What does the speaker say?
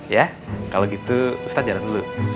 ya kalau gitu ustadz jalan dulu